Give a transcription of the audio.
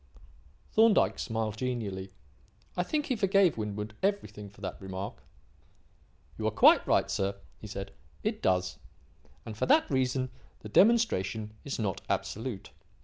Thorndyke smiled genially. I think he forgave Winwood everything for that remark. "You are quite right, sir," he said. "It does. And, for that reason, the demonstration is not absolute.